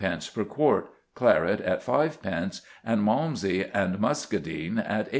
per quart, claret at 5d., and Malmsey and muscadine at 8d.